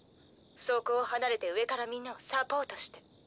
そこを離れて上からみんなをサポートして。